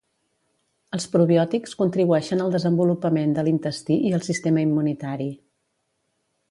Els probiòtics contribueixen al desenvolupament de l'intestí i el sistema immunitari.